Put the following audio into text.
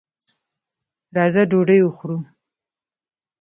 راځه ډوډۍ وخورو.